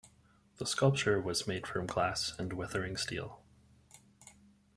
The sculpture was made from glass and weathering steel.